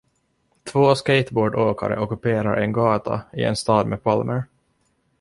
Två skateboardåkare ockuperar en gata i en stad med palmer.